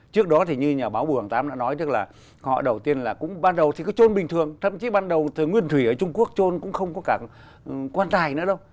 trước đó thì như nhà báo bù hằng tám đã nói họ đầu tiên là cũng ban đầu thì có trôn bình thường thậm chí ban đầu thì nguyên thủy ở trung quốc trôn cũng không có cả quan tài nữa đâu